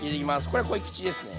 これは濃い口ですね。